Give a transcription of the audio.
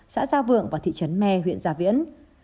xã gia vượng và thị trấn me huyện gia viễn